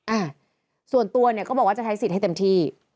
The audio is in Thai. อ่ะส่วนตัวเนี่ยก็บอกว่าจะใช้สิทธิ์ให้เต็มที่